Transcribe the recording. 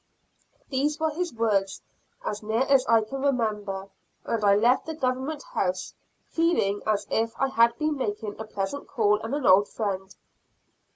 These were his words, as near as I can remember, and I left the Government House, feeling as if I had been making a pleasant call on an old friend.